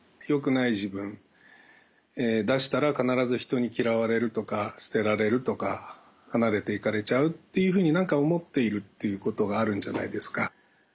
よくない自分出したら必ず人に嫌われるとか捨てられるとか離れていかれちゃうというふうに何か思っているっていうことがあるんじゃないですか。